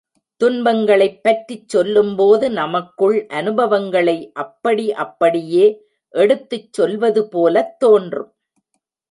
துன்பங்களைப் பற்றிச் சொல்லும்போது நமக்குள்ள அனுபவங்களை அப்படி அப்படியே எடுத்துச் சொல்வதுபோலத் தோன்றும்.